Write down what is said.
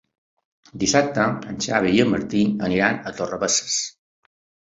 Dissabte en Xavi i en Martí aniran a Torrebesses.